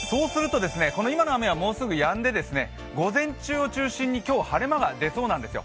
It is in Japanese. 今の雨はもうすぐやんで午前中を中心に今日晴れ間が出そうなんですよ。